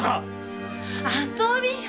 遊びよ！